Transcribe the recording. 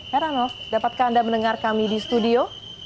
heranov dapatkah anda mendengar kami di studio